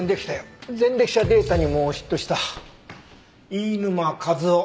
飯沼和郎。